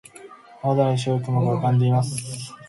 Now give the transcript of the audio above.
青空に白い雲が浮かんでいます。